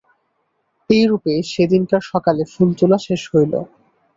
এইরূপে সেদিনকার সকালে ফুল তোলা শেষ হইল।